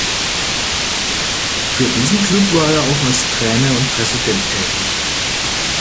Für diesen Klub war er auch als Trainer und Präsident tätig.